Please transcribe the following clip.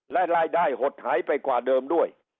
และรายได้หดหายไปกว่าเดิมด้วย